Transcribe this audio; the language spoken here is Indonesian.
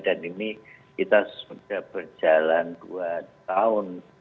dan ini kita sudah berjalan dua tahun